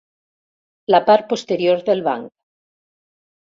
La part posterior del banc.